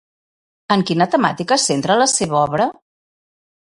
En quina temàtica es centra la seva obra?